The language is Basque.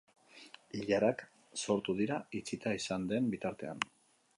Ilarak sortu dira itxita izan den bitartean.